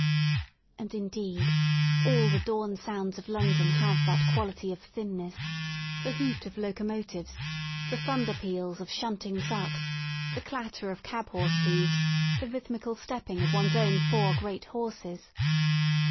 And, indeed, all the dawn sounds of London have that quality of thinness — the hoot of locomotives, the thunder peals of shunting trucks, the clatter of cab horse hoofs, the rhythmical stepping of one*s own four great horses.